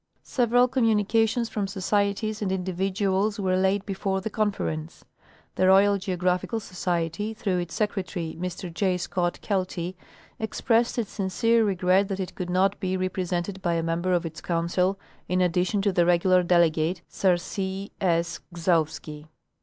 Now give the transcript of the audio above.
Several communications from societies and individuals were laid before the Conference. The Royal Geographical Society, through its Secretary, Mr J. Scott Keltic, expressed its sincere regret that it could not be represented by a member of its Council in addition to the regu lar delegate. Sir C. S. Gzowski.